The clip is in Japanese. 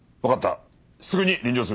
すぐに臨場する。